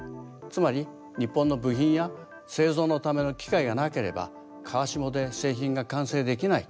つまり日本の部品や製造のための機械がなければ川下で製品が完成できない。